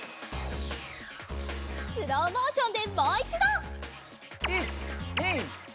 スローモーションでもういちど！